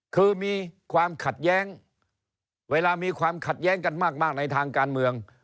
คือมีความขัดแย้งเวลามีความขัดแย้งกันมากในทางการเมือง